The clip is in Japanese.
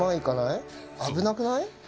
危なくない？